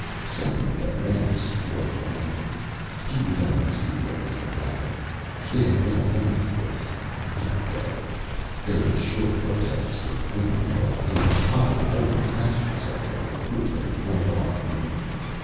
Suddenly a man swore loudly. He would go and see what was the matter. It had been a womanÂs voice. He would go. There were shrill protests from women but his high form detached itself from the group and went off running.